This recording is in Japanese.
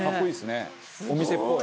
「お店っぽい」